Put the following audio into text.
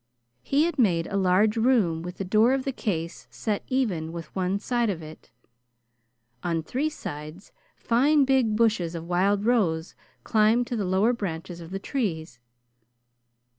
He had made a large room with the door of the case set even with one side of it. On three sides, fine big bushes of wild rose climbed to the lower branches of the trees.